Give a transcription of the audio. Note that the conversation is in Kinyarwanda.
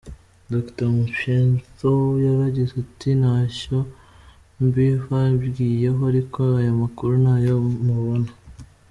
Dr Upenytho yaragize ati "ntacyo mbibabwiyeho ariko aya makuru ntayo mubona.